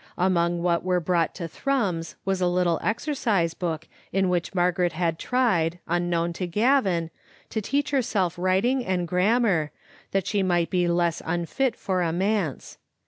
Among what were brought to Thrums was a little exercise book, in which Margaret had tried, unknown to Gavin, to teach herself writing and gram mar, that she might be less unfit for a manse.